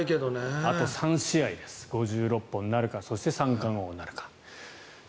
あと３試合です５６本なるかそして三冠王なるか。